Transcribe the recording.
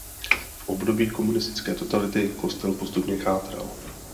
V období komunistické totality kostel postupně chátral.